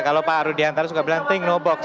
kalau pak rudiantara suka bilang think no box